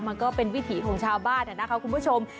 มันก็เป็นวิถีของชาวบ้านนะคะคุณผู้ชม